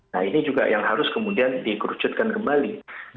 nah ini juga yang harus kemudian dikerucutkan kembali